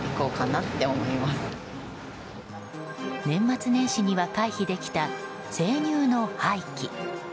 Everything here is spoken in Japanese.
年末年始には回避できた生乳の廃棄。